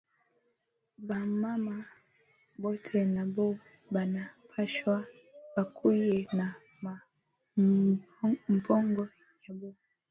Ba mama bote nabo bana pashwa bakuye na ma mpango yabo